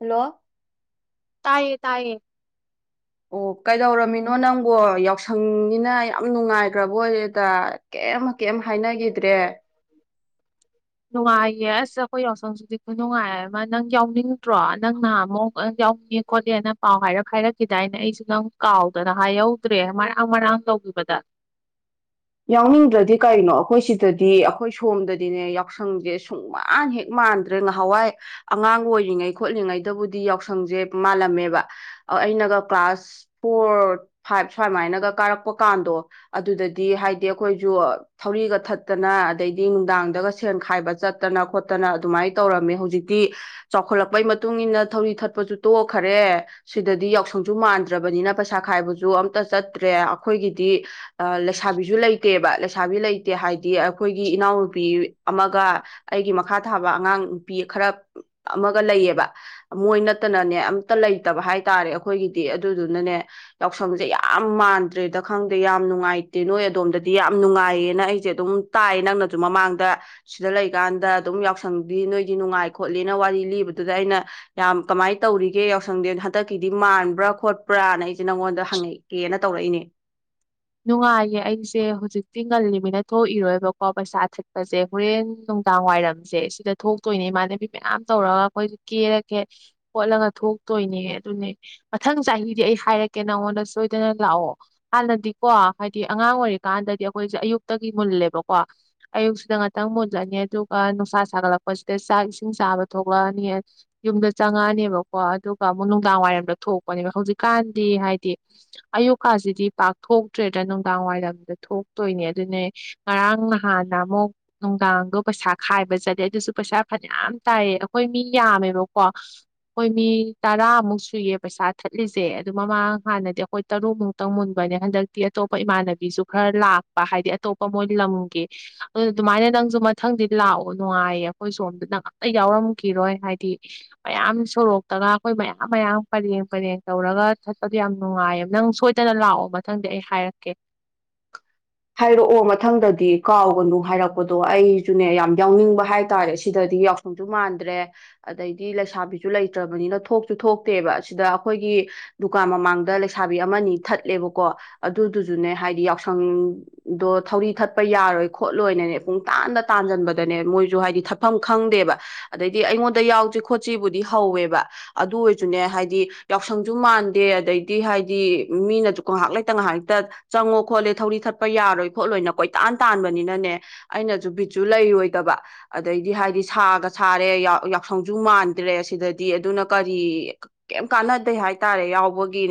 hello ꯇꯥꯌꯦ ꯇꯥꯌꯦ ꯑꯣ ꯀꯩꯗꯧꯔꯝꯃꯤꯅꯣ ꯅꯪꯕꯣ ꯌꯥꯎꯁꯪꯅꯤꯅ ꯌꯥꯝ ꯅꯨꯡꯉꯥꯏꯈ꯭ꯔꯕ ꯑꯣꯏꯔꯦꯗ ꯀꯩꯝ ꯀꯩꯝ ꯍꯥꯏꯅꯈꯤꯗ꯭ꯔꯦ ꯅꯨꯡꯉꯥꯏꯌꯦ ꯑꯁ ꯑꯩꯈꯣꯏ ꯌꯥꯎꯁꯪꯁꯤꯗꯤ ꯈꯨꯅꯨꯡꯉꯥꯏ ꯑꯃ ꯅꯪ ꯌꯥꯎꯅꯤꯡꯗꯣꯔ ꯅꯪꯅꯍꯟ ꯃꯨꯛ ꯑꯩꯉꯣꯟꯗ ꯌꯥꯎ ꯈꯣꯠꯀꯦꯅ ꯄꯥꯎ ꯍꯥꯏꯔꯛ ꯍꯥꯏꯔꯛꯈꯤꯗꯥꯏꯅ ꯑꯩꯁꯨ ꯅꯪ ꯀꯥꯎꯗꯅ ꯍꯥꯏꯍꯧꯗ꯭ꯔꯦ ꯃꯔꯥꯡ ꯃꯔꯥꯡ ꯇꯧꯒꯤꯕꯗ ꯌꯥꯎꯅꯤꯡꯗ꯭ꯔꯗꯤ ꯀꯅꯣ ꯑꯩꯈꯣꯏ ꯁꯤꯗꯗꯤ ꯑꯩꯈꯣꯏ ꯁꯣꯝꯗꯗꯤꯅꯦ ꯌꯥꯎꯁꯪꯖꯦ ꯁꯨꯡꯃꯥꯟ ꯍꯦꯛ ꯃꯥꯟꯗ꯭ꯔꯦ ꯉꯍꯥꯟꯋꯥꯏ ꯑꯉꯥꯡ ꯑꯣꯏꯔꯤꯉꯩ ꯈꯣꯠꯂꯤꯉꯩꯗꯕꯨꯗꯤ ꯌꯥꯎꯁꯪꯁꯦ ꯃꯥꯜꯂꯝꯃꯦꯕ ꯑꯩꯅꯒ ꯀ꯭ꯂꯥꯁ ꯐꯣꯔ ꯐꯥꯏꯚ ꯁꯨꯃꯥꯏꯅꯒ ꯀꯥꯔꯛꯄ ꯀꯥꯟꯗꯣ ꯑꯗꯨꯗꯗꯤ ꯍꯥꯏꯗꯤ ꯗꯤ ꯑꯩꯈꯣꯏꯁꯨ ꯊꯧꯔꯤꯒ ꯊꯠꯇꯅ ꯑꯗꯩꯗꯤ ꯅꯨꯡꯗꯥꯡꯗꯒ ꯁꯦꯟ ꯈꯥꯏꯕ ꯆꯠꯇꯅ ꯈꯣꯠꯇꯅ ꯑꯗꯨꯃꯥꯏꯅ ꯇꯧꯔꯝꯃꯦ ꯍꯧꯖꯤꯛꯇꯤ ꯆꯥꯎꯈꯠꯂꯛꯄꯩ ꯃꯇꯨꯡꯏꯟꯅ ꯊꯧꯔꯤ ꯊꯠꯄꯁꯨ ꯇꯣꯛꯈꯔꯦ ꯁꯤꯗꯗꯤ ꯌꯥꯎꯁꯪꯁꯨ ꯃꯥꯟꯗ꯭ꯔꯕꯅꯤꯅ ꯄꯩꯁꯥ ꯈꯥꯏꯕꯁꯨ ꯑꯝꯇ ꯆꯠꯇ꯭ꯔꯦ ꯑꯩꯈꯣꯏꯒꯤꯗꯤ ꯂꯩꯁꯥꯕꯤꯁꯨ ꯂꯩꯇꯦ ꯂꯩꯇꯦꯕ ꯂꯩꯁꯥꯕꯤ ꯂꯩꯇꯦ ꯍꯥꯏꯗꯤ ꯑꯩꯈꯣꯏꯒꯤ ꯏꯅꯥꯎꯅꯨꯄꯤ ꯑꯃꯒ ꯑꯩꯒꯤ ꯃꯈꯥ ꯊꯥꯕ ꯑꯉꯥꯡ ꯅꯨꯄꯤ ꯈꯔ ꯑꯃꯒ ꯂꯩꯌꯦꯕ ꯃꯣꯏ ꯅꯠꯇꯅꯅꯦ ꯑꯝꯇ ꯂꯩꯇꯕ ꯍꯥꯏꯇꯥꯔꯦ ꯑꯩꯈꯣꯏꯒꯤꯗꯤ ꯑꯗꯨꯗꯨꯅꯅꯦ ꯌꯥꯎꯁꯪꯁꯦ ꯌꯥꯝ ꯃꯥꯟꯗ꯭ꯔꯦꯗ ꯈꯪꯗꯦ ꯌꯥꯝ ꯅꯨꯡꯉꯥꯏꯇꯦ ꯅꯣꯏ ꯑꯗꯣꯝꯗ ꯗꯤ ꯌꯥꯝ ꯅꯨꯡꯉꯥꯏꯌꯦꯅ ꯑꯩꯁꯦ ꯑꯗꯨꯝ ꯇꯥꯏ ꯅꯪꯅꯁꯨ ꯃꯃꯥꯡꯗ ꯁꯤꯗ ꯂꯩꯀꯥꯟꯗ ꯑꯗꯨꯝ ꯌꯥꯎꯁꯪꯗꯤ ꯅꯣꯏꯒꯤ ꯅꯨꯡꯉꯥꯏ ꯈꯣꯠꯂꯦꯅ ꯋꯥꯔꯤ ꯂꯤꯕꯗꯨꯗ ꯑꯩꯅ ꯌꯥꯝ ꯀꯃꯥꯏꯅ ꯇꯧꯔꯤꯒꯦ ꯌꯥꯎꯁꯪꯗꯤ ꯍꯟꯗꯛꯀꯤꯗꯤ ꯃꯥꯟꯕ꯭ꯔꯥ ꯈꯣꯠꯄ꯭ꯔꯥꯅ ꯑꯩꯁꯦ ꯅꯪꯉꯣꯟꯗ ꯍꯪꯉꯛꯀꯦꯅ ꯇꯧꯔꯛꯏꯅꯦ ꯅꯨꯡꯉꯥꯏꯌꯦ ꯑꯩꯁꯦ ꯍꯧꯖꯤꯛꯇꯤ ꯉꯜꯂꯤꯃꯤꯅ ꯊꯣꯛꯏꯔꯣꯏꯕꯀꯣ ꯄꯩꯁꯥ ꯊꯤꯠꯄꯁꯦ ꯍꯣꯔꯦꯟ ꯅꯨꯡꯗꯥꯡ ꯋꯥꯏꯔꯝꯁꯦ ꯁꯤꯗ ꯊꯣꯛꯇꯣꯏꯅꯦ ꯏꯃꯥꯟꯅꯕꯤ ꯃꯌꯥꯝ ꯇꯧꯔꯒ ꯑꯩꯈꯣꯏꯖꯨ ꯀꯦꯔꯒꯦ ꯈꯣꯠꯂꯒ ꯊꯣꯛꯇꯣꯏꯅꯦ ꯑꯗꯨꯅꯦ ꯃꯊꯪ ꯆꯍꯤꯗꯤ ꯑꯩ ꯍꯥꯏꯔꯛꯀꯦ ꯅꯪꯉꯣꯟꯗ ꯁꯣꯏꯗꯅ ꯂꯥꯛꯑꯣ ꯍꯥꯟꯅꯗꯤ ꯀꯣ ꯍꯥꯏꯗꯤ ꯑꯉꯥꯡ ꯑꯣꯏꯔꯤꯀꯥꯟꯗꯗꯤ ꯑꯩꯈꯣꯏꯁꯦ ꯑꯌꯨꯛꯇꯒꯤ ꯃꯨꯜꯂꯦꯕꯀꯣ ꯑꯌꯨꯛꯁꯤꯗ ꯉꯥꯛꯇꯪ ꯃꯨꯜꯂꯅꯤ ꯑꯗꯨꯒ ꯅꯨꯡꯁꯥ ꯁꯥꯒꯠꯂꯛꯄꯁꯤꯗ ꯆꯥꯛ ꯏꯁꯤꯡ ꯆꯥꯕ ꯊꯣꯛꯂꯛꯑꯅꯤ ꯌꯨꯝꯗ ꯆꯪꯉꯛꯑꯅꯤꯕꯀꯣ ꯑꯗꯨꯒ ꯑꯃꯨꯛ ꯅꯨꯡꯗꯥꯡ ꯋꯥꯏꯔꯝꯗ ꯊꯣꯛꯄꯅꯦꯕ ꯍꯧꯖꯤꯛꯀꯥꯟꯗꯤ ꯍꯥꯏꯗꯤ ꯑꯌꯨꯛꯀꯁꯤꯗꯤ ꯄꯥꯛ ꯊꯣꯛꯇ꯭ꯔꯦꯗ꯭ꯔꯥꯗ ꯅꯨꯡꯗꯥꯡ ꯋꯥꯏꯔꯝꯗ ꯊꯣꯛꯇꯣꯏꯅꯦ ꯑꯗꯨꯅꯦ ꯉꯔꯥꯡ ꯅꯍꯥꯟꯅ ꯑꯃꯨꯛ ꯅꯨꯡꯗꯥꯡꯗꯣ ꯄꯩꯁꯥ ꯈꯥꯏꯕ ꯆꯠꯂꯦ ꯑꯗꯨꯁꯨ ꯄꯩꯁꯥ ꯐꯅꯌꯥꯝ ꯇꯥꯏꯌꯦ ꯑꯩꯈꯣꯏ ꯃꯤ ꯌꯥꯝꯃꯦꯕꯀꯣ ꯑꯩꯈꯣꯏ ꯃꯤ ꯇꯔꯥꯃꯨꯛ ꯁꯨꯏꯌꯦ ꯄꯩꯁꯥ ꯊꯠꯂꯤꯁꯦ ꯑꯗꯨ ꯃꯃꯥꯡ ꯍꯥꯟꯅꯗꯤ ꯑꯩꯈꯣꯏ ꯇꯔꯨꯛꯃꯨꯛꯇꯪ ꯃꯨꯟ ꯕꯅꯦ ꯍꯟꯗꯛꯇꯤ ꯑꯇꯣꯞꯄ ꯏꯃꯥꯟꯅꯕꯤꯁꯨ ꯈꯔ ꯂꯥꯛꯄ ꯍꯥꯏꯗꯤ ꯑꯇꯣꯞꯄ ꯃꯣꯏ ꯂꯝꯒꯤ ꯑꯗꯨꯅ ꯑꯗꯨꯃꯥꯏꯅ ꯅꯪꯁꯨ ꯃꯊꯪꯗꯤ ꯂꯥꯛꯑꯣ ꯅꯨꯡꯉꯥꯏꯌꯦ ꯑꯩꯈꯣꯏ ꯁꯣꯝꯗ ꯅꯪ ꯑꯝꯇ ꯌꯥꯎꯔꯝꯈꯤꯔꯣꯏ ꯍꯥꯏꯗꯤ ꯃꯌꯥꯝ ꯁꯣꯔꯣꯛꯇꯒ ꯑꯩꯈꯣꯏ ꯃꯌꯥꯝ ꯃꯌꯥꯝ ꯄꯔꯦꯡ ꯄꯔꯦꯡ ꯇꯧꯔꯒ ꯊꯠꯄꯗꯣ ꯌꯥꯝ ꯅꯨꯡꯉꯥꯏꯌꯦ ꯅꯪ ꯁꯣꯏꯗꯅ ꯂꯥꯛꯑꯣ ꯃꯊꯪꯗꯤ ꯑꯩ ꯍꯥꯏꯔꯛꯀꯦ ꯍꯥꯏꯔꯛꯑꯣ ꯃꯊꯪꯗꯗꯤ ꯀꯥꯎꯒꯅꯨ ꯍꯥꯏꯔꯛꯄꯗꯣ ꯑꯩꯁꯨꯅꯦ ꯌꯥꯝ ꯌꯥꯎꯅꯤꯡꯕ ꯍꯥꯏꯇꯥꯔꯦ ꯁꯤꯗꯗꯤ ꯌꯥꯎꯁꯪꯁꯨ ꯃꯥꯟꯗ꯭ꯔꯦ ꯑꯗꯩꯗꯤ ꯂꯩꯁꯥꯕꯤꯁꯨ ꯂꯩꯇ꯭ꯔꯕꯅꯤꯅ ꯊꯣꯛꯁꯨ ꯊꯣꯛꯇꯦꯕ ꯁꯤꯗ ꯑꯩꯈꯣꯏꯒꯤ ꯗꯨꯀꯥꯟ ꯃꯃꯥꯡꯗ ꯂꯩꯁꯥꯕꯤ ꯑꯃꯅꯤ ꯊꯠꯂꯦꯕꯀꯣ ꯑꯗꯨꯗꯨꯁꯨꯅꯦ ꯍꯥꯏꯗꯤ ꯌꯥꯎꯁꯪ ꯑꯗꯣ ꯊꯧꯔꯤ ꯊꯠꯄ ꯌꯥꯔꯣꯏ ꯈꯣꯠꯂꯣꯏꯅꯅꯦ ꯄꯨꯡ ꯇꯥꯟꯗ ꯇꯥꯟꯖꯟꯕꯗꯅꯦ ꯃꯣꯏꯖ ꯍꯥꯏꯗꯤ ꯊꯠꯐꯝ ꯈꯪꯗꯦꯕ ꯑꯗꯩꯗꯤ ꯑꯩꯉꯣꯟꯗ ꯌꯥꯎꯖꯤ ꯈꯣꯠꯖꯤꯕꯨꯗꯤ ꯍꯧꯋꯦꯕ ꯑꯗꯨ ꯑꯣꯢꯖꯨꯅꯦ ꯍꯥꯏꯗꯤ ꯌꯥꯎꯁꯪꯖꯨ ꯃꯥꯟꯗꯦ ꯑꯗꯩꯗꯤ ꯍꯥꯏꯗꯤ ꯃꯤꯅꯖꯨ ꯉꯥꯏꯍꯥꯛ ꯂꯩꯇ ꯉꯥꯏꯍꯥꯛ ꯂꯩꯇ ꯆꯪꯉꯣ ꯈꯣꯠꯂꯦ ꯊꯧꯔꯤ ꯊꯠ ꯆꯠꯄ ꯌꯥꯔꯣꯏ ꯈꯣꯠꯂꯣꯏꯅ ꯀꯣꯏꯇꯥꯟ ꯇꯥꯟꯕꯅꯤꯅꯅꯦ ꯑꯩꯅꯁꯨ ꯕꯤꯠꯁꯨ ꯂꯩꯔꯣꯏꯗꯕ ꯑꯗꯩꯗꯤ ꯍꯥꯏꯗꯤ ꯁꯥꯒ ꯁꯥꯔꯦ ꯌꯥꯎꯁꯪꯁꯨ ꯃꯥꯟꯗ꯭ꯔꯦ ꯁꯤꯗꯗꯤ ꯑꯗꯨꯅ ꯀꯔꯤ ꯀꯩ ꯀꯌꯝ ꯀꯟꯅꯗꯦ ꯍꯥꯏꯇꯥꯔꯦ ꯌꯥꯎꯕꯒꯤ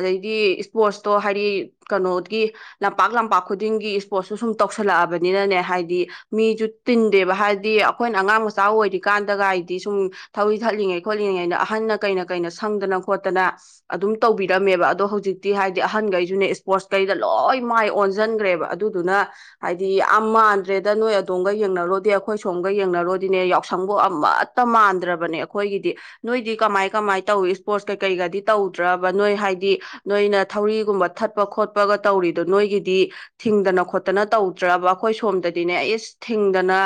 ꯑꯗꯩꯗꯤ ꯏꯁꯄꯣꯔꯠꯁꯇꯣ ꯍꯥꯏꯗꯤ ꯀꯩꯅꯣꯒꯤ ꯂꯝꯄꯥꯛ ꯂꯝꯄꯥꯛ ꯄꯥꯛ ꯈꯨꯗꯤꯡꯒꯤ ꯏꯁꯄꯣꯔꯠꯁꯨ ꯁꯨꯝ ꯇꯧꯁꯜꯂꯛꯑꯕꯅꯤꯅꯅꯦ ꯍꯥꯏꯗꯤ ꯃꯤꯁꯨ ꯇꯤꯟꯗꯦꯕ ꯍꯥꯏꯗꯤ ꯑꯩꯈꯣꯏꯅ ꯑꯉꯥꯡ ꯃꯆꯥ ꯑꯣꯏꯔꯤꯀꯥꯟꯗꯒ ꯍꯥꯏꯗꯤ ꯁꯨꯝ ꯊꯧꯔꯤ ꯊꯠꯂꯤꯉꯩ ꯈꯣꯠꯂꯤꯉꯩꯅ ꯑꯍꯟꯅ ꯀꯩꯅ ꯀꯩꯅ ꯁꯪꯗꯅ ꯈꯣꯠꯇꯅ ꯑꯗꯨꯝ ꯇꯧꯕꯤꯔꯝꯃꯦꯕ ꯑꯗꯣ ꯍꯧꯖꯤꯛꯇꯤ ꯍꯥꯏꯗꯤ ꯑꯍꯟꯒꯩꯁꯨꯅꯦ ꯏꯁꯄꯣꯔꯠꯈꯩꯗ ꯂꯣꯏ ꯃꯥꯏ ꯑꯣꯟ ꯊꯖꯤꯟꯈ꯭ꯔꯦꯕ ꯑꯗꯨꯗꯨꯅ ꯍꯥꯏꯗꯤ ꯌꯥꯝ ꯃꯥꯟꯗ꯭ꯔꯦꯗ ꯅꯣꯏ ꯑꯗꯣꯝꯒ ꯌꯦꯡꯅꯔꯣꯗꯤ ꯑꯩꯈꯣꯏ ꯁꯣꯝꯒ ꯌꯦꯡꯅꯔꯣꯗꯤꯅꯦ ꯌꯥꯎꯁꯪꯕꯨ ꯑꯃꯠꯇ ꯃꯥꯟꯗ꯭ꯔꯕꯅꯦ ꯑꯩꯈꯣꯏꯒꯤꯗꯤ ꯅꯣꯏꯗꯤ ꯀꯃꯥꯏ ꯀꯃꯥꯏ ꯇꯧꯏ ꯏꯁ꯭ꯄꯣꯔꯠꯁ ꯀꯩꯀꯩꯒꯗꯤ ꯇꯧꯗ꯭ꯔꯕ ꯅꯣꯏ ꯍꯥꯏꯗꯤ ꯅꯣꯏꯅ ꯊꯧꯔꯤꯒꯨꯝꯕ ꯊꯠꯄ ꯈꯣꯠꯄꯒ ꯇꯧꯔꯤꯗꯣ ꯅꯣꯏꯒꯤꯗꯤ ꯊꯤꯡꯗꯅ ꯈꯣꯠꯇꯅ ꯇꯧꯗ꯭ꯔꯕ ꯑꯩꯈꯣꯏ ꯁꯣꯝꯗꯗꯤꯅꯦ ꯑꯩꯁ ꯊꯤꯡꯗꯅ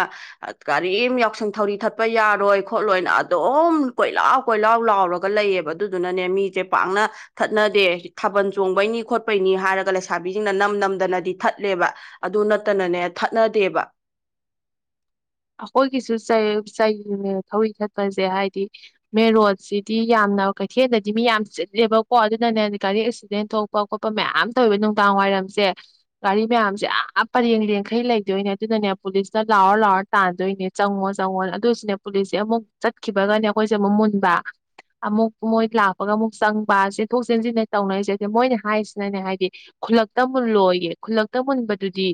ꯀꯔꯤꯝ ꯌꯥꯎꯁꯪ ꯊꯧꯔꯤ ꯊꯠꯄ ꯌꯥꯔꯣꯏ ꯈꯣꯠꯂꯣꯏꯅ ꯑꯗꯨꯝ ꯀꯣꯏꯂꯥꯎ ꯀꯣꯏꯂꯥꯎ ꯂꯥꯎꯔꯒ ꯂꯩꯌꯦꯕ ꯑꯗꯨꯗꯨꯅꯅꯦ ꯃꯤꯁꯦ ꯄꯥꯛꯅ ꯊꯠꯅꯗꯦ ꯊꯥꯕꯜ ꯆꯣꯡꯕꯩꯅꯤ ꯈꯣꯠꯄꯩꯅꯤ ꯍꯥꯏꯔꯒ ꯂꯩꯁꯥꯕꯤꯁꯤꯡꯅ ꯅꯝ ꯅꯝꯗꯅ ꯗꯤ ꯊꯠꯂꯦꯕ ꯑꯗꯨ ꯅꯠꯇꯅꯅꯦ ꯊꯠꯅꯗꯦꯕ ꯑꯩꯈꯣꯏꯒꯤꯁꯨ ꯆꯩꯌꯦ ꯆꯩꯕꯅꯦ ꯊꯧꯔꯤ ꯆꯠꯄꯁꯦ ꯍꯥꯏꯗꯤ ꯃꯦꯟ ꯔꯣꯗꯁꯤꯗꯤ ꯌꯥꯝꯅ ꯀꯩꯊꯦꯜꯗꯗꯤ ꯃꯤ ꯌꯥꯝ ꯆꯤꯜꯂꯦꯕꯀꯣ ꯑꯗꯨꯅꯅꯦ ꯒꯥꯔꯤ ꯑꯦꯛꯁꯤꯗꯦꯟ ꯊꯣꯛꯄ ꯈꯣꯠꯄ ꯃꯌꯥꯝ ꯇꯧꯋꯦꯕ ꯅꯨꯡꯗꯥꯡ ꯋꯥꯏꯔꯝꯁꯦ ꯒꯥꯔꯤ ꯃꯌꯥꯝꯁꯦ ꯑ ꯄꯔꯦꯡ ꯂꯡꯈꯩ ꯂꯩꯗꯣꯏꯅꯦ ꯑꯗꯨꯅꯅꯦ ꯄꯨꯂꯤꯁꯅ ꯂꯥꯎꯔ ꯂꯥꯎꯔ ꯇꯥꯟꯗꯣꯏꯅꯦ ꯆꯪꯉꯣ ꯆꯪꯉꯣ ꯑꯗꯨꯏꯁꯨꯅꯦ ꯄꯨꯂꯤꯁꯁꯦ ꯑꯃꯨꯛ ꯆꯠꯈꯤꯕꯒꯅꯦ ꯑꯩꯈꯣꯏꯁꯦ ꯑꯃꯨꯛ ꯃꯨꯟꯕ ꯑꯃꯨꯛ ꯃꯣꯏ ꯂꯥꯛꯄꯒ ꯑꯃꯨꯛ ꯆꯪꯕ ꯆꯦꯟꯊꯣꯛ ꯆꯦꯟꯁꯤꯟꯅꯦ ꯇꯧꯅꯔꯤꯁꯦ ꯑꯗ ꯃꯣꯏꯅ ꯍꯥꯏꯔꯤꯁꯤꯅꯅꯦ ꯍꯥꯏꯗꯤ ꯈꯨꯜꯂꯛꯇ ꯃꯨꯜꯂꯣꯏꯌꯦ ꯈꯨꯜꯂꯛꯇ ꯃꯨꯟꯕꯗꯨꯗꯤ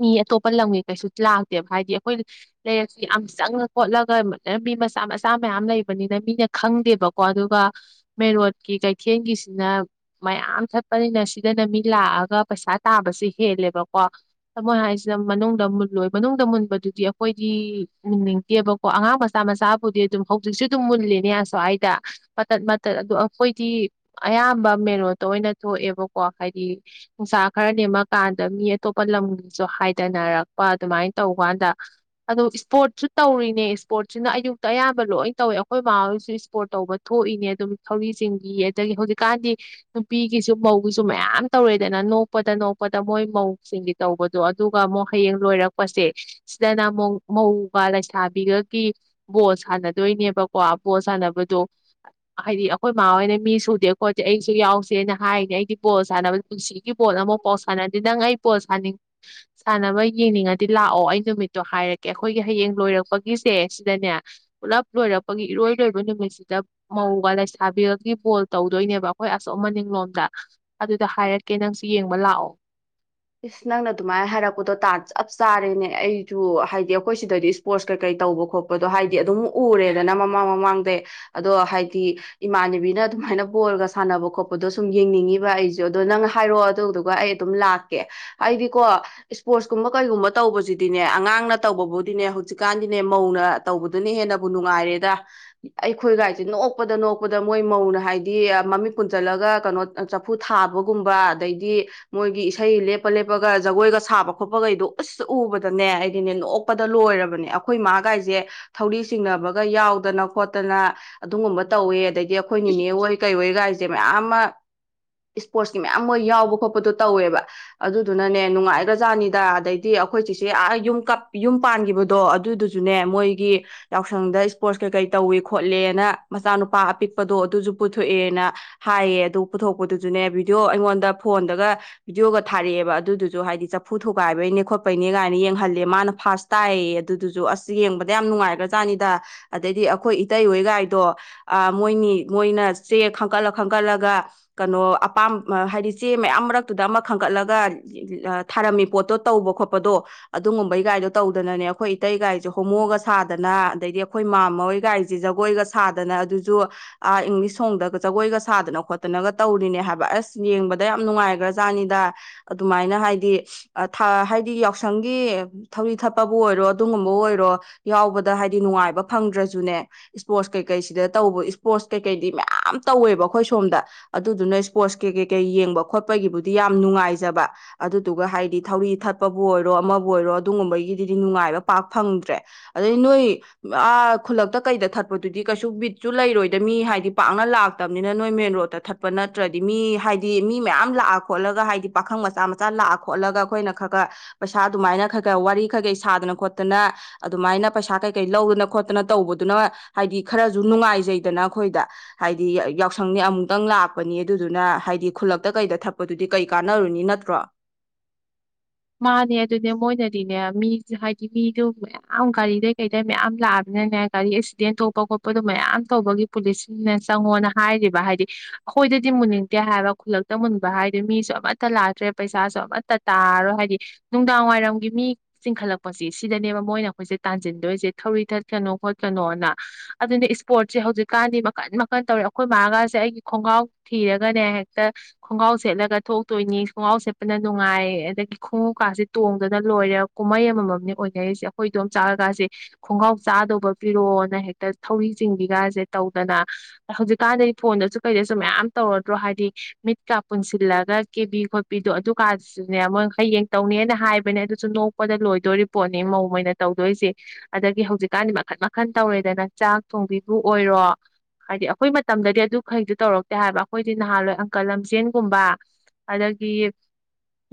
ꯃꯤ ꯑꯇꯣꯞꯄ ꯂꯝꯒꯤ ꯀꯩꯁꯨ ꯂꯥꯛꯇꯦꯕ ꯍꯥꯏꯗꯤ ꯑꯩꯈꯣꯏ ꯂꯩꯔꯛꯁꯤ ꯌꯥꯝ ꯆꯪꯉꯥ ꯈꯣꯠꯂꯒ ꯃꯤ ꯃꯆꯥ ꯃꯆꯥ ꯃꯌꯥꯝ ꯂꯩꯕꯅꯤꯅ ꯃꯤꯅ ꯈꯪꯗꯦꯕꯀꯣ ꯑꯗꯨꯒ ꯃꯦꯔꯣꯠꯀꯤ ꯀꯩꯊꯦꯜꯒꯤꯁꯤꯅ ꯃꯌꯥꯝ ꯊꯠꯄꯅꯤꯅ ꯁꯤꯗꯅ ꯃꯤ ꯂꯥꯛꯑꯒ ꯄꯩꯁꯥ ꯇꯥꯕꯁꯤ ꯍꯦꯜꯂꯦꯕꯀꯣ ꯊꯃꯣ ꯍꯥꯏꯁꯤꯅ ꯃꯅꯨꯡꯗ ꯃꯨꯜꯂꯣꯏ ꯃꯅꯨꯡꯗ ꯃꯨꯟ ꯕꯗꯨꯗꯤ ꯑꯩꯈꯣꯏꯗꯤ ꯃꯨꯟꯅꯤꯡꯗꯦꯕꯀꯣ ꯑꯉꯥꯡ ꯃꯆꯥ ꯃꯆꯥꯕꯨꯗꯤ ꯑꯗꯨꯝ ꯍꯧꯖꯤꯛꯁꯨ ꯑꯗꯨꯝ ꯃꯨꯜꯂꯤꯅꯦ ꯑꯁ꯭ꯋꯥꯏꯗ ꯃꯇꯠ ꯃꯇꯠ ꯑꯗꯣ ꯑꯩꯈꯣꯏꯗꯤ ꯑꯌꯥꯝꯕ ꯃꯦꯟ ꯔꯣꯠꯇ ꯑꯣꯏꯅ ꯊꯣꯛꯑꯦꯕꯀꯣ ꯍꯥꯏꯗꯤ ꯅꯨꯡꯁꯥ ꯈꯔ ꯅꯦꯝꯃꯀꯥꯟꯗ ꯃꯤ ꯑꯇꯣꯞꯄ ꯂꯝꯒꯤꯁꯨ ꯍꯥꯏꯗꯅꯔꯛꯄ ꯑꯗꯨꯃꯥꯏꯅ ꯇꯧꯕ ꯇꯧ ꯀꯥꯟꯗ ꯑꯗꯨ ꯏꯁꯄꯣꯔꯠꯁꯨ ꯇꯧꯔꯤꯅꯦ ꯏꯁꯄꯣꯔꯠꯁꯤꯅ ꯑꯌꯨꯛꯇ ꯑꯌꯥꯝꯕ ꯂꯣꯏꯅ ꯇꯧꯋꯦ ꯑꯩꯈꯣꯏ ꯃꯃꯥ ꯍꯣꯏꯁꯨ ꯏꯁꯄꯣꯔꯠ ꯇꯧꯕ ꯊꯣꯛꯏꯅꯦ ꯑꯗꯨꯝ ꯊꯧꯔꯤꯆꯤꯡꯕꯤ ꯑꯗꯒꯤ ꯍꯧꯖꯤꯛꯀꯥꯟꯗꯤ ꯅꯨꯄꯤꯒꯤꯁꯨ ꯃꯧꯒꯤꯁꯨ ꯃꯌꯥꯝ ꯇꯧꯔꯦꯗꯅ ꯅꯣꯛꯄꯗ ꯅꯣꯛꯄꯗ ꯃꯣꯏ ꯃꯧꯁꯤꯡꯒꯤ ꯇꯧꯕꯗꯣ ꯑꯗꯨꯒ ꯑꯃꯨꯛ ꯍꯌꯦꯡ ꯂꯣꯏꯔꯛꯄꯁꯦ ꯁꯤꯗꯅ ꯑꯃꯨꯛ ꯃꯧꯒ ꯂꯩꯁꯥꯕꯤꯒꯒꯤ ꯕꯣꯜ ꯁꯥꯟꯅꯗꯣꯏꯅꯦꯕꯀꯣ ꯕꯣꯜ ꯁꯥꯟꯅꯕꯗꯣ ꯍꯥꯏꯗꯤ ꯑꯩꯈꯣꯏ ꯃꯥ ꯍꯣꯏꯅ ꯃꯤ ꯁꯨꯗꯦ ꯈꯣꯠꯇꯦ ꯑꯩꯁꯨ ꯌꯥꯎꯁꯦꯅ ꯍꯥꯏꯅꯦ ꯑꯩꯗꯤ ꯕꯣꯜ ꯁꯥꯟꯅꯕ ꯄꯨꯟꯁꯤꯒꯤ ꯕꯣꯜ ꯑꯃꯨꯛ ꯄꯥꯎ ꯁꯥꯟꯅꯔꯗꯤ ꯅꯪ ꯑꯩ ꯕꯣꯜꯁꯅꯤꯡ ꯁꯥꯟꯅꯕ ꯌꯦꯡꯅꯤꯡꯉꯗꯤ ꯂꯥꯛ ꯑꯧ ꯑꯩ ꯅꯨꯃꯤꯠꯇꯣ ꯍꯥꯏꯔꯛꯀꯦ ꯑꯩꯈꯣꯏꯒꯤ ꯍꯌꯦꯡ ꯂꯣꯏꯔꯛꯄꯒꯤꯁꯦ ꯁꯤꯗꯅꯦ ꯄꯨꯂꯞ ꯂꯣꯏꯔꯛꯄꯒꯤ ꯏꯔꯣꯏ ꯂꯣꯏꯕ ꯅꯨꯃꯤꯠꯁꯤꯗ ꯃꯧꯒ ꯂꯩꯁꯥꯕꯤꯒꯒꯤ ꯕꯣꯜ ꯇꯧꯗꯣꯏꯅꯦꯕ ꯑꯩꯈꯣꯏ ꯑꯁꯣꯝ ꯃꯅꯤꯡꯂꯣꯝꯗ ꯑꯗꯨꯗ ꯍꯥꯏꯔꯛꯀꯦ ꯅꯪꯁꯨ ꯌꯦꯡꯕ ꯂꯥꯛꯑꯣ ꯏꯁ ꯅꯪꯅ ꯑꯗꯨꯃꯥꯏꯅ ꯍꯥꯏꯔꯛꯄꯗꯣ ꯇꯥ ꯆꯞ ꯆꯥꯔꯦꯅꯦ ꯑꯩꯁꯨ ꯍꯥꯏꯗꯤ ꯑꯩꯈꯣꯏ ꯁꯤꯗꯗꯤ ꯏꯁꯄꯣꯔꯠꯁ ꯀꯩꯀꯩ ꯇꯧꯕ ꯈꯣꯠꯄꯗꯣ ꯍꯥꯏꯗꯤ ꯑꯗꯨꯝ ꯎꯔꯦꯗꯅ ꯃꯃꯥꯡ ꯃꯃꯥꯡꯗꯩ ꯑꯗꯣ ꯍꯥꯏꯗꯤ ꯏꯃꯥꯟꯅꯕꯤꯅ ꯑꯗꯨꯃꯥꯏꯅ ꯕꯣꯜꯒ ꯁꯥꯟꯅꯕ ꯈꯣꯠꯄꯗꯣ ꯁꯨꯝ ꯌꯦꯡꯅꯤꯡꯉꯤꯕ ꯑꯩꯁꯨ ꯑꯗꯣ ꯅꯪꯅ ꯍꯥꯏꯔꯛꯑꯣ ꯑꯗꯨꯗꯨꯒ ꯑꯩ ꯑꯗꯨꯝ ꯂꯥꯛ ꯀꯦ ꯑꯩꯗꯤꯀꯣ ꯏꯁꯄꯣꯔꯠꯁꯀꯨꯝꯕ ꯀꯩꯒꯨꯝꯕ ꯇꯧꯕꯁꯤꯗꯤꯅꯦ ꯑꯉꯥꯡꯅ ꯇꯧꯕꯕꯨꯗꯤꯅꯦ ꯍꯧꯖꯤꯛꯀꯥꯟꯗꯤꯅꯦ ꯃꯧꯅ ꯇꯧꯕꯗꯨꯅ ꯍꯦꯟꯅꯕꯨ ꯅꯨꯡꯉꯥꯏꯔꯦꯗ ꯑꯩꯈꯣꯏꯒꯥꯏꯁꯦ ꯅꯣꯛꯄꯗ ꯅꯣꯛꯄꯗ ꯃꯣꯏ ꯃꯧꯅ ꯍꯥꯏꯗꯤ ꯃꯃꯤꯠ ꯀꯨꯟꯖꯜꯂꯒ ꯀꯩꯅꯣ ꯆꯐꯨ ꯊꯥꯕꯒꯨꯝꯕ ꯑꯗꯩꯗꯤ ꯃꯣꯏꯒꯤ ꯏꯁꯩ ꯂꯦꯞꯄ ꯂꯦꯞꯄꯒ ꯖꯒꯣꯏꯒ ꯁꯥꯕ ꯈꯣꯠꯄꯒꯩꯗꯣ ꯎꯁ ꯎꯕꯗꯅꯦ ꯑꯩꯗꯤꯅꯦ ꯅꯣꯛꯛꯄꯗ ꯂꯣꯏꯔꯕꯅꯦ ꯑꯩꯈꯣꯏ ꯃꯥꯒꯥꯏꯁꯦ ꯊꯧꯔꯤ ꯆꯤꯡꯅꯕꯒ ꯌꯥꯎꯗꯅ ꯈꯣꯠꯇꯅ ꯑꯗꯨꯒꯨꯝꯕ ꯇꯧꯋꯦ ꯑꯗꯩ ꯗꯤ ꯑꯩꯈꯣꯏꯅꯤꯅꯦ ꯑꯣꯏ ꯀꯩ ꯑꯣꯏꯒꯥꯏ ꯁꯦ ꯃꯌꯥꯝ ꯑꯃ ꯏꯁꯄꯣꯔꯠꯁꯀꯤ ꯃꯌꯥꯝ ꯃꯣꯏ ꯌꯥꯎꯕ ꯈꯣꯠꯄꯗꯣ ꯇꯧꯋꯦꯕ ꯑꯗꯨꯗꯨꯅꯅꯦ ꯅꯨꯡꯉꯥꯏꯈ꯭ꯔꯖꯥꯠꯅꯤꯗ ꯑꯗꯩꯗꯤ ꯑꯩꯈꯣꯏ ꯆꯤꯁꯦ ꯑꯥ ꯌꯨꯝ ꯌꯨꯝ ꯄꯥꯟꯈꯤꯕꯗꯣ ꯑꯗꯨꯗꯨꯖꯨꯅꯦ ꯃꯣꯏꯒꯤ ꯌꯥꯎꯁꯪꯗ ꯏꯁꯄꯣꯔꯠꯁ ꯀꯩꯀꯩ ꯇꯧꯋꯦ ꯈꯣꯠꯂꯦꯅ ꯃꯆꯥꯅꯨꯄꯥ ꯑꯄꯤꯛꯄꯗꯣ ꯑꯗꯨꯁꯨ ꯄꯨꯊꯣꯛꯑꯦꯅ ꯍꯥꯏꯌꯦ ꯑꯗꯨ ꯄꯨꯊꯣꯛꯄꯗꯨꯁꯨꯅꯦ ꯚꯤꯗꯤꯑꯣ ꯑꯩꯉꯣꯟꯗ ꯐꯣꯟꯗꯒ ꯚꯤꯗꯤꯑꯣꯒ ꯊꯥꯔꯛꯑꯦꯕ ꯑꯗꯨꯗꯨꯁꯨ ꯍꯥꯏꯗꯤ ꯆꯐꯨ ꯊꯨꯒꯥꯏꯕꯩꯅꯦ ꯈꯣꯠꯄꯩꯅꯦ ꯀꯥꯏꯅ ꯌꯦꯡꯍꯜꯂꯦ ꯃꯥꯅ ꯐꯥꯔꯁ ꯇꯥꯏꯌꯦ ꯑꯗꯨꯗꯨꯁꯨ ꯑꯁ ꯌꯦꯡꯕꯗ ꯌꯥꯝ ꯅꯨꯡꯉꯥꯏꯈ꯭ꯔꯖꯥꯠꯅꯤꯗ ꯑꯗꯩꯗꯤ ꯑꯩꯈꯣꯏ ꯏꯇꯩꯍꯣꯏꯒꯥꯏꯗꯣ ꯃꯣꯏꯅꯤ ꯃꯣꯏꯅ ꯆꯦ ꯈꯟꯀꯠꯂ ꯈꯟꯀꯠꯂꯒ ꯀꯩꯅꯣ ꯑꯄꯥꯝ ꯍꯥꯏꯗꯤ ꯆꯦ ꯃꯌꯥꯝ ꯃꯔꯛ ꯇꯨꯗ ꯑꯃ ꯈꯟꯒꯠꯂꯒ ꯊꯥꯔꯝꯃꯤ ꯄꯣꯠꯇꯣ ꯇꯧꯕ ꯈꯣꯠꯄꯗꯣ ꯑꯗꯨꯒꯨꯝꯕꯩ ꯒꯥꯏꯗꯣ ꯇꯧꯗꯅꯅꯦ ꯑꯩꯈꯣꯏ ꯏꯇꯩꯒꯥꯏꯁꯦ ꯍꯣꯃꯣꯒ ꯁꯥꯗꯅ ꯑꯗꯩꯗꯤ ꯑꯩꯈꯣꯏ ꯃꯥꯃ ꯍꯣꯏꯒꯥꯏꯁꯦ ꯖꯒꯣꯏꯒ ꯁꯥꯗꯅ ꯑꯗꯨꯁꯨ ꯑꯥ ꯏꯪꯂꯤꯁ ꯁꯣꯡꯗꯒ ꯖꯒꯣꯏꯒ ꯁꯥꯗꯅ ꯈꯣꯠꯇꯅꯒ ꯇꯧꯔꯤꯅꯦ ꯍꯥꯏꯕ ꯑꯁ ꯌꯦꯡꯕꯗ ꯌꯥꯝ ꯅꯨꯡꯉꯥꯏꯈ꯭ꯔ ꯖꯥꯅꯤꯗ ꯑꯗꯨꯃꯥꯏꯅ ꯍꯥꯏꯗꯤ ꯍꯥꯏꯗꯤ ꯌꯥꯎꯁꯪꯒꯤ ꯊꯧꯔꯤ ꯊꯛꯄꯕꯨ ꯑꯣꯏꯔꯣ ꯑꯗꯨꯒꯨꯝꯕꯕꯨ ꯑꯣꯏꯔꯣ ꯌꯥꯎꯕꯗ ꯍꯥꯏꯗꯤ ꯅꯨꯡꯉꯥꯏꯕ ꯐꯪꯗ꯭ꯔꯁꯨꯅꯦ ꯏꯁꯄꯣꯔꯠꯁ ꯀꯩꯀꯩꯁꯤꯗ ꯇꯧꯕ ꯏꯁꯄꯣꯔꯠꯁ ꯀꯩꯀꯩꯗꯤ ꯃꯌꯥꯝ ꯇꯧꯋꯦꯕ ꯑꯩꯈꯣꯏ ꯁꯣꯝꯗ ꯑꯗꯨꯗꯨꯅ ꯏꯁꯄꯣꯔꯠꯁ ꯀꯩ ꯀꯩ ꯀꯩ ꯌꯦꯡꯕ ꯈꯣꯠꯄꯒꯤꯕꯨꯗꯤ ꯗꯤ ꯌꯥꯝ ꯅꯨꯡꯉꯥꯏꯖꯕ ꯑꯗꯨꯗꯨꯒ ꯍꯥꯏꯗꯤ ꯊꯧꯔꯤ ꯊꯠꯄꯕꯨ ꯑꯣꯏꯔꯣ ꯑꯃꯕꯨ ꯑꯣꯏꯔꯣ ꯑꯗꯨꯒꯨꯝꯕꯒꯤꯗꯨꯗꯤ ꯅꯨꯡꯉꯥꯏꯕ ꯄꯥꯛ ꯐꯪꯗ꯭ꯔꯦ ꯑꯗꯩ ꯅꯣꯏ ꯈꯨꯜꯂꯛꯇ ꯀꯩꯗ ꯊꯠꯄꯗꯨꯗꯤ ꯀꯩꯁꯨ ꯕꯤꯠꯁꯨ ꯂꯩꯔꯣꯏꯗ ꯃꯤ ꯍꯥꯏꯗꯤ ꯄꯥꯛꯅ ꯂꯥꯛꯇꯕꯅꯤꯅ ꯅꯣꯏ ꯃꯦꯟ ꯔꯣꯗꯠꯇ ꯊꯠꯄ ꯅꯠꯇ꯭ꯔꯗꯤ ꯃꯤ ꯍꯥꯏꯗꯤ ꯃꯤ ꯃꯌꯥꯝ ꯂꯥꯛ ꯈꯣꯠꯂꯒ ꯍꯥꯏꯗꯤ ꯄꯥꯈꯪ ꯃꯆꯥ ꯃꯆꯥ ꯂꯥꯛꯑ ꯈꯣꯠꯂꯒ ꯑꯩꯈꯣꯏꯅ ꯈꯔ ꯈꯔ ꯄꯩꯁꯥ ꯑꯗꯨꯃꯥꯏꯅ ꯈꯔ ꯈꯔ ꯋꯥꯔꯤ ꯈꯩ ꯀꯔꯤ ꯁꯥꯗꯅ ꯈꯣꯠꯇꯅ ꯑꯗꯨꯃꯥꯏꯅ ꯄꯩꯁꯥ ꯀꯩꯀꯩ ꯂꯧꯗꯅ ꯈꯣꯠꯇꯅ ꯇꯧꯕꯗꯨꯅ ꯍꯥꯏꯗꯤ ꯈꯔꯁꯨ ꯅꯨꯡꯉꯥꯏꯖꯩꯗꯅ ꯑꯩꯈꯣꯏꯗ ꯍꯥꯏꯗꯤ ꯌꯥꯎꯁꯪꯅꯤ ꯑꯃꯨꯛꯇꯪ ꯂꯥꯛꯄꯅꯤ ꯑꯗꯨꯗꯨꯅ ꯍꯥꯏꯗꯤ ꯈꯨꯜꯂꯛꯇ ꯀꯩꯗ ꯊꯠ ꯄꯗꯨꯗꯤ ꯀꯩ ꯀꯥꯟꯅꯔꯨꯅꯤ ꯅꯠꯇ꯭ꯔꯣ ꯃꯥꯅꯦ ꯑꯗꯨꯅꯦ ꯃꯣꯏꯅꯗꯤꯅꯦ ꯃꯤ ꯍꯥꯏꯗꯤ ꯃꯤꯗꯨ ꯃꯌꯥꯝ ꯒꯥꯔꯤꯗꯩ ꯀꯩꯗꯩ ꯃꯌꯥꯝ ꯂꯥꯛꯑꯕꯅꯤꯅꯦ ꯒꯥꯔꯤ ꯑꯦꯛꯁꯤꯗꯦꯟ ꯊꯣꯛꯄ ꯈꯣꯠꯄꯗꯣ ꯃꯌꯥꯝ ꯇꯧꯕꯒꯤ ꯄꯨꯂꯤꯁꯁꯤꯡꯅ ꯆꯪꯉꯣꯅ ꯍꯥꯏꯔꯤꯕ ꯍꯥꯏꯗꯤ ꯑꯩꯈꯣꯏꯗꯗꯤ ꯃꯨꯟꯅꯤꯡꯗꯦ ꯍꯥꯏꯕ ꯈꯨꯜꯂꯛꯇ ꯃꯨꯟꯕ ꯍꯥꯏꯔꯗꯤ ꯃꯤꯁꯨ ꯑꯃꯠꯇ ꯂꯥꯛꯇ꯭ꯔꯦ ꯄꯩꯁꯥꯁꯨ ꯑꯃꯠꯇ ꯇꯥꯔꯣꯏ ꯍꯥꯏꯗꯤ ꯅꯨꯡꯗꯥꯡ ꯋꯥꯏꯔꯝꯒꯤ ꯃꯤ ꯆꯤꯡꯈꯠꯂꯛꯄꯁꯤ ꯁꯤꯗꯅꯦꯕ ꯃꯣꯏꯅ ꯑꯩꯈꯣꯏꯁꯦ ꯇꯥꯟꯁꯤꯟꯗꯣꯏꯁꯦ ꯊꯧꯔꯤ ꯊꯠꯀꯅꯣ ꯈꯣꯠꯀꯅꯣꯅ ꯑꯗꯨꯅ ꯏꯁꯄꯣꯔꯠꯁꯦ ꯍꯧꯖꯤꯛꯀꯥꯟꯗꯤ ꯃꯈꯟ ꯃꯈꯟ ꯇꯧꯋꯦ ꯑꯩꯈꯣꯏ ꯃꯥꯒꯁꯦ ꯑꯩꯒꯤ ꯈꯣꯡꯒ꯭ꯔꯥꯎ ꯊꯤꯔꯒꯅꯦ ꯍꯦꯛꯇ ꯈꯣꯡꯒ꯭ꯔꯥꯎ ꯁꯦꯠꯂꯒ ꯊꯣꯛꯇꯣꯏꯅꯤ ꯈꯣꯡꯒ꯭ꯔꯥꯎ ꯁꯦꯠꯄꯅ ꯅꯨꯡꯉꯥꯏ ꯑꯗꯒꯤ ꯈꯣꯡꯎꯞꯀꯥꯁꯦ ꯇꯣꯡꯗꯅ ꯂꯣꯏꯔꯦ ꯀꯨꯝꯍꯩ ꯑꯃꯃꯝꯅꯤ ꯑꯣꯏꯅꯔꯤꯁꯦ ꯑꯩꯈꯣꯏ ꯗꯣꯝꯆꯥ ꯍꯣꯏ ꯀꯥꯁꯦ ꯈꯣꯡꯒ꯭ꯔꯥꯎ ꯆꯥꯗꯧꯕ ꯄꯤꯔꯣꯑꯣꯅ ꯍꯦꯛꯇ ꯊꯧꯔꯤ ꯆꯤꯡꯕꯤꯒꯥꯁꯦ ꯇꯧꯗꯅ ꯍꯧꯖꯤꯛꯀꯥꯟꯗꯗꯤ ꯐꯣꯟꯗꯁꯨ ꯀꯩꯗꯁꯨ ꯃꯌꯥꯝ ꯇꯧꯗ꯭ꯔꯣ ꯍꯥꯏꯗꯤ ꯃꯤꯠꯀ ꯄꯨꯟꯁꯤꯜꯂꯒ ꯀꯦꯕꯤ ꯈꯣꯠꯄꯤꯗꯣ ꯑꯗꯨꯀꯥꯟꯁꯨꯅꯦ ꯃꯣꯏ ꯍꯌꯦꯡ ꯇꯧꯅꯤꯅ ꯍꯥꯏꯕꯅꯦ ꯑꯗꯨꯁꯨ ꯅꯣꯛꯄꯗ ꯂꯣꯏꯗꯣꯔꯤ ꯄꯣꯠꯅꯤ ꯃꯧ ꯑꯣꯏꯅ ꯇꯧꯗꯣꯏꯁꯦ ꯑꯗꯒꯤ ꯍꯧꯖꯤꯛꯀꯥꯟꯗꯤ ꯃꯈꯟ ꯃꯈꯟ ꯇꯧꯔꯦꯗꯅ ꯆꯥꯛ ꯊꯣꯡꯕꯤꯕꯨ ꯑꯣꯏꯔꯣ ꯍꯥꯏꯗꯤ ꯑꯩꯈꯣꯏ ꯃꯇꯝꯗꯗꯤ ꯑꯗꯨꯈꯩꯗꯨ ꯇꯧꯔꯛꯇꯦ ꯍꯥꯏꯕ ꯑꯩꯈꯣꯏꯗꯤ ꯅꯍꯥꯟꯋꯥꯏ ꯑꯡꯀ꯭ꯔ ꯂꯝꯖꯦꯟꯒꯨꯝꯕ ꯑꯗꯒꯤ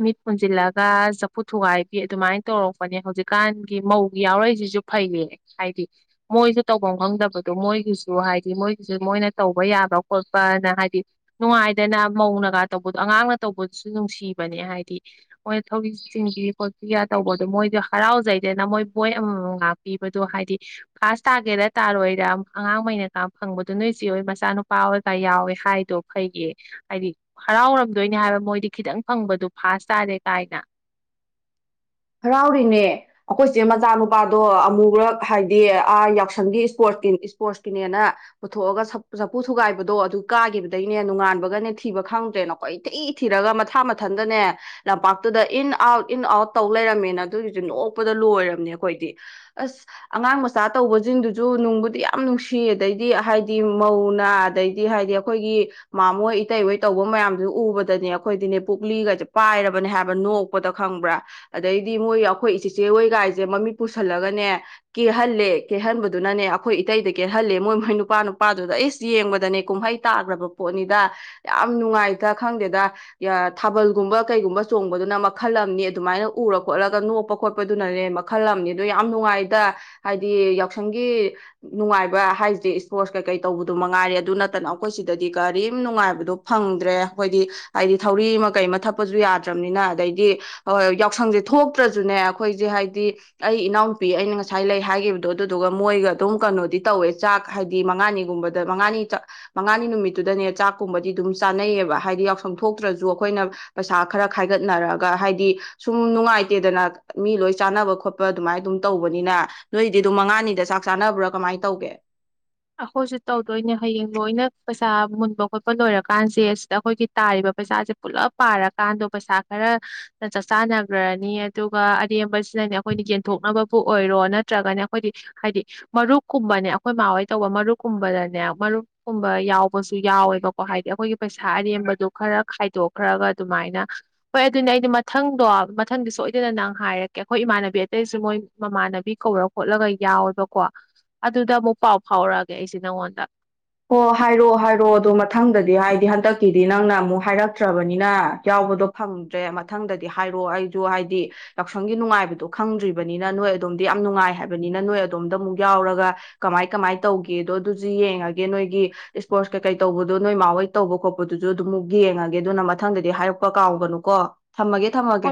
ꯃꯤꯠ ꯈꯨꯝꯖꯤꯜꯂꯒ ꯆꯐꯨ ꯊꯨꯒꯥꯏꯕꯤ ꯑꯗꯨꯃꯥꯏꯅ ꯇꯧꯔꯛꯄꯅꯦ ꯍꯧꯖꯤꯛꯀꯥꯟꯒꯤ ꯃꯧ ꯌꯥꯎꯔꯛꯏꯁꯤꯁꯨ ꯐꯩꯌꯦ ꯍꯥꯏꯗꯤ ꯃꯣꯏꯁꯨ ꯇꯧꯐꯝ ꯈꯪꯗꯕꯗꯣ ꯃꯣꯏꯒꯤꯁꯨ ꯍꯥꯏꯗꯤ ꯃꯣꯏꯒꯤꯁꯨ ꯃꯣꯏꯅ ꯇꯧꯕ ꯌꯥꯕ ꯈꯣꯠꯄꯅ ꯍꯥꯏꯗꯤ ꯅꯨꯡꯉꯥꯏꯗꯅ ꯃꯧꯅꯒ ꯇꯧꯕꯗꯣ ꯑꯉꯥꯡꯅ ꯇꯧꯕꯗꯨꯁꯨ ꯅꯨꯡꯁꯤꯕꯅꯦ ꯍꯥꯏꯗꯤ ꯃꯣꯏꯅ ꯊꯧꯔꯤ ꯆꯤꯡꯕꯤ ꯈꯣꯠꯄꯤꯒ ꯇꯧꯕꯗꯣ ꯃꯣꯏꯗꯣ ꯍꯔꯥꯎꯖꯩꯗꯅ ꯃꯣꯏ ꯕꯣꯏ ꯑꯃꯃꯝ ꯉꯥꯛ ꯄꯤꯕꯗꯣ ꯍꯥꯏꯗꯤ ꯐꯥꯁ ꯇꯥꯒꯦꯔꯥ ꯇꯥꯔꯣꯏꯔ ꯑꯉꯥꯡꯉꯩꯅꯒ ꯐꯪꯕꯗꯣ ꯅꯣꯏ ꯆꯦ ꯍꯣꯏ ꯃꯆꯥꯅꯨꯄꯥ ꯑꯣꯏꯔꯒ ꯌꯥꯎꯋꯦ ꯍꯥꯏꯗꯣ ꯐꯩꯌꯦ ꯍꯥꯏꯗꯤ ꯍꯔꯥꯎꯔꯝꯗꯣꯏꯅꯤ ꯍꯥꯏꯕ ꯃꯣꯏꯗꯤ ꯈꯤꯇꯪ ꯐꯪꯕꯗꯣ ꯐꯥꯁ ꯇꯥꯔꯦ ꯀꯥꯏꯅ ꯍꯔꯥꯎꯔꯤꯅꯦ ꯑꯩꯈꯣꯏꯆꯦ ꯃꯆꯥꯅꯨꯄꯥꯗꯣ ꯑꯃꯨꯨꯔꯛ ꯍꯥꯏꯗꯤ ꯑꯥ ꯌꯥꯎꯁꯪꯒꯤ ꯏꯁꯄꯣꯔꯠꯀꯤ ꯏꯁꯄꯣꯔꯠꯁꯀꯤꯅꯦꯅ ꯄꯨꯊꯣꯛꯑꯒ ꯆꯐꯨ ꯊꯨꯒꯥꯏꯕꯗꯣ ꯑꯗꯨ ꯀꯥꯈꯤꯕꯗꯒꯤꯅꯦ ꯅꯨꯡꯉꯥꯟꯕꯒꯅꯦ ꯊꯤꯕ ꯈꯪꯗ꯭ꯔꯦꯅ ꯀꯣꯏ ꯏꯊꯤ ꯊꯤꯔꯒ ꯃꯊꯥ ꯃꯊꯟꯗꯅꯦ ꯂꯝꯄꯥꯛꯇꯨꯗ ꯏꯟ ꯑꯥꯎꯠ ꯏꯟ ꯑꯥꯎꯠ ꯇꯧ ꯂꯩꯔꯝꯃꯦꯅ ꯑꯗꯨꯒꯤꯁꯨ ꯅꯣꯛꯄꯗ ꯂꯣꯏꯔꯝꯅꯦ ꯑꯩꯈꯣꯏꯗꯤ ꯑꯁ ꯑꯉꯥꯡ ꯃꯆꯥ ꯇꯧꯕꯁꯤꯡꯗꯨꯁꯨ ꯅꯨꯡꯕꯨꯗꯤ ꯌꯥꯝ ꯅꯨꯡꯁꯤꯌꯦ ꯑꯗꯩꯗꯤ ꯍꯥꯏꯗꯤ ꯃꯧꯅꯥ ꯑꯗꯩꯗꯤ ꯍꯥꯏꯗꯤ ꯑꯩꯈꯣꯏꯒꯤ ꯃꯥꯃꯣꯏ ꯏꯇꯩꯍꯣꯏ ꯇꯧꯕ ꯃꯌꯥꯝꯗꯨꯁꯨ ꯎꯕꯗꯅꯦ ꯑꯩꯈꯣꯏꯗꯤꯅꯦ ꯄꯨꯛꯂꯤꯒꯁꯦ ꯄꯥꯏꯔꯕꯅꯦ ꯍꯥꯏꯕ ꯅꯣꯛꯄꯗ ꯈꯪꯕ꯭ꯔꯥ ꯑꯗꯩꯗꯤ ꯃꯣꯏ ꯑꯩꯈꯣꯏ ꯆꯤꯆꯦ ꯍꯣꯏꯒꯥꯏꯁꯦ ꯃꯃꯤꯠ ꯄꯨꯁꯜꯂꯒꯅꯦ ꯀꯦꯍꯜꯂꯦ ꯀꯦꯍꯟꯕꯗꯨꯅꯅꯦ ꯑꯩꯈꯣꯏ ꯏꯇꯩꯗ ꯀꯦꯜꯍꯜꯂꯦ ꯃꯣꯏ ꯃꯣꯏ ꯅꯨꯄꯥ ꯅꯨꯄꯥꯗꯨꯗ ꯏꯁ ꯌꯦꯡꯕꯗꯅꯦ ꯀꯨꯝꯍꯩ ꯇꯥꯈ꯭ꯔꯕ ꯄꯣꯠꯅꯤꯗ ꯌꯥꯝ ꯅꯨꯡꯉꯥꯏꯇ ꯈꯪꯗꯦꯗ ꯊꯥꯕꯜꯒꯨꯝꯕ ꯀꯩꯒꯨꯝꯕ ꯆꯣꯡꯕꯗꯨꯅ ꯃꯈꯜ ꯑꯃꯅꯤ ꯑꯗꯨꯃꯥꯏꯅ ꯎꯔ ꯈꯣꯠꯂꯒ ꯅꯣꯛꯄ ꯈꯣꯠꯄꯗꯨꯅꯅꯦ ꯃꯈꯜ ꯑꯃꯅꯤ ꯑꯗꯣ ꯌꯥꯝ ꯅꯨꯡꯉꯥꯏꯗ ꯍꯥꯏꯗꯤ ꯌꯥꯎꯁꯪꯒꯤ ꯅꯨꯡꯉꯥꯏꯕ ꯍꯥꯏꯁꯗꯤ ꯏꯁꯄꯣꯔꯠꯁ ꯀꯩꯀꯩ ꯇꯧꯕꯗꯨ ꯃꯉꯥꯏꯔꯦ ꯑꯗꯨ ꯅꯠꯇꯅ ꯑꯩꯈꯣꯏ ꯁꯤꯗꯗꯤ ꯀꯔꯤꯝ ꯅꯨꯡꯉꯥꯏꯕꯗꯣ ꯐꯪꯗ꯭ꯔꯦ ꯑꯩꯈꯣꯏꯗꯤ ꯍꯥꯏꯗꯤ ꯊꯧꯔꯤ ꯑꯃ ꯀꯩ ꯑꯃ ꯊꯠꯄꯁꯨ ꯌꯥꯗ꯭ꯔꯕꯅꯤꯅ ꯑꯗꯩꯗꯤ ꯌꯥꯎꯁꯪꯁꯦ ꯊꯣꯛꯇ꯭ꯔꯁꯨꯅꯦ ꯑꯩꯈꯣꯏꯁꯦ ꯍꯥꯏꯗꯤ ꯑꯩ ꯏꯅꯥꯎꯅꯨꯄꯤ ꯑꯩꯅ ꯉꯁꯥꯏ ꯂꯩ ꯍꯥꯏꯈꯤꯕꯗꯣ ꯑꯗꯨꯗꯨꯒ ꯃꯣꯏꯒ ꯑꯗꯨꯝ ꯀꯩꯅꯣꯗꯤ ꯇꯧꯋꯦ ꯆꯥꯛ ꯍꯥꯏꯗꯤ ꯃꯉꯥꯅꯤꯒꯨꯝꯕꯗ ꯃꯉꯥꯅꯤ ꯃꯉꯥꯅꯤ ꯅꯨꯃꯤꯠꯇꯨꯗꯅꯦ ꯆꯥꯛꯀꯨꯝꯕꯗꯤ ꯑꯗꯨꯝ ꯆꯥꯅꯩꯌꯦꯕ ꯍꯥꯏꯗꯤ ꯌꯥꯎꯁꯪ ꯊꯣꯛꯇ꯭ꯔꯁꯨ ꯑꯩꯈꯣꯏꯅ ꯄꯩꯁꯥ ꯈꯔ ꯈꯥꯏꯒꯠꯅꯔꯒ ꯍꯥꯏꯗꯤ ꯁꯨꯝ ꯅꯨꯡꯉꯥꯏꯇꯦꯗꯅ ꯃꯤ ꯂꯣꯏ ꯆꯥꯅꯕ ꯈꯣꯠꯄ ꯑꯗꯨꯃꯥꯏꯅ ꯑꯗꯨꯝ ꯇꯧꯕꯅꯤꯅ ꯅꯣꯏꯗꯤ ꯑꯗꯨꯝ ꯃꯉꯥꯅꯤꯗ ꯆꯥꯛ ꯆꯥꯅꯕ꯭ꯔꯥ ꯀꯃꯥꯏꯅ ꯇꯧꯒꯦ ꯑꯩꯈꯣꯏꯁꯨ ꯇꯧꯗꯣꯏꯅꯦ ꯍꯌꯦꯡ ꯂꯣꯏꯅ ꯄꯩꯁꯥ ꯃꯨꯟꯕ ꯈꯣꯠꯄ ꯂꯣꯏꯔꯀꯥꯟꯁꯦ ꯁꯤꯗ ꯑꯩꯈꯣꯏꯒꯤ ꯇꯥꯔꯤꯕ ꯄꯩꯁꯥꯁꯦ ꯄꯨꯜꯂꯞ ꯄꯥꯔꯀꯥꯟꯗꯣ ꯄꯩꯁꯥ ꯈꯔ ꯆꯥꯛꯆꯥꯥꯟꯅꯒ꯭ꯔꯅꯤ ꯑꯗꯨꯒ ꯑꯔꯦꯝꯕꯁꯤꯗꯅꯦ ꯑꯩꯈꯣꯏꯅ ꯌꯦꯟꯊꯣꯛꯅꯕꯕꯨ ꯑꯣꯏꯔꯣ ꯅꯠꯇ꯭ꯔꯒꯅꯦ ꯑꯩꯈꯣꯏꯗꯤ ꯍꯥꯏꯗꯤ ꯃꯔꯨꯞꯀꯨꯝꯕꯅꯦ ꯑꯩꯈꯣꯏ ꯃꯥ ꯍꯣꯏ ꯇꯧꯕ ꯃꯔꯨꯞꯀꯨꯝꯕꯗꯅꯦ ꯃꯔꯨꯞꯀꯨꯝꯕ ꯌꯥꯎꯕꯁꯨ ꯌꯥꯎꯋꯦꯕꯀꯣ ꯍꯥꯏꯗꯤ ꯑꯩꯈꯣꯏꯒꯤ ꯄꯩꯁꯥ ꯑꯔꯦꯝꯕꯗꯨ ꯈꯔ ꯈꯥꯏꯗꯣꯛꯈ꯭ꯔꯒ ꯑꯗꯨꯃꯥꯏꯅ ꯍꯣꯏ ꯑꯗꯨꯅꯦ ꯑꯩꯗꯤ ꯃꯊꯪꯗꯣ ꯃꯊꯪꯗꯤ ꯁꯣꯏꯗꯅ ꯅꯪ ꯍꯥꯏꯔꯛꯀꯦ ꯑꯩꯈꯣꯏ ꯏꯃꯥꯟꯅꯕꯤ ꯑꯇꯩꯁꯨ ꯃꯣꯏ ꯃꯃꯥꯟꯅꯕꯤ ꯀꯧꯔ ꯈꯣꯠꯂꯒ ꯌꯥꯎꯋꯦꯕꯀꯣ ꯑꯗꯨꯗ ꯑꯃꯨꯛ ꯄꯥꯎ ꯐꯥꯎꯔꯛꯑꯒꯦ ꯑꯩꯁꯦ ꯅꯪꯉꯣꯟꯗ ꯑꯣ ꯍꯥꯏꯔꯛꯑꯣ ꯍꯥꯏꯔꯛꯑꯣ ꯑꯗꯣ ꯃꯊꯪꯗꯗꯤ ꯍꯥꯏꯗꯤ ꯍꯟꯗꯛꯀꯤꯗꯤ ꯅꯪꯅ ꯑꯃꯨꯛ ꯍꯥꯏꯔꯛꯇ꯭ꯔꯕꯅꯤꯅ ꯌꯥꯎꯕꯗꯣ ꯐꯪꯗ꯭ꯔꯦ ꯃꯊꯪꯗꯗꯤ ꯍꯥꯏꯔꯛꯑꯣ ꯑꯩꯁꯨ ꯍꯥꯏꯗꯤ ꯌꯥꯎꯁꯪꯒꯤ ꯅꯨꯡꯉꯥꯏꯕꯗꯣ ꯈꯪꯗ꯭ꯔꯤꯕꯅꯤꯅ ꯅꯣꯏ ꯑꯗꯣꯝꯗꯤ ꯌꯥꯝ ꯅꯨꯡꯉꯥꯏ ꯍꯥꯏꯕꯅꯤꯅ ꯅꯣꯏ ꯑꯗꯣꯝꯗ ꯑꯃꯨꯛ ꯌꯥꯎꯔꯒ ꯀꯃꯥꯏ ꯀꯃꯥꯏꯅ ꯇꯧꯒꯦꯗꯣ ꯑꯗꯨꯁꯨ ꯌꯦꯡꯉꯒꯦ ꯅꯣꯏꯒꯤ ꯏꯁꯄꯣꯔꯠꯁ ꯀꯩꯀꯩ ꯇꯧꯕꯗꯨꯣ ꯅꯣꯏ ꯃꯥ ꯍꯣꯏ ꯇꯧꯕ ꯈꯣꯠꯄꯗꯨꯁꯨ ꯑꯗꯨꯝꯃꯛ ꯌꯦꯡꯉꯒꯦ ꯑꯗꯨꯅ ꯃꯊꯪꯗꯗꯤ ꯍꯥꯏꯔꯛꯄ ꯀꯥꯎꯕꯅꯨꯀꯣ ꯊꯝꯃꯒꯦ ꯊꯝꯃꯒꯦ ꯍꯣꯏ